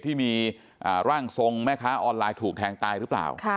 ที่มีร่างทรงแม่ค้าออนไลน์ถูกแทงตายหรือเปล่า